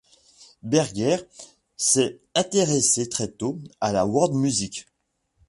Berger s'est intéressé très tôt à la World music.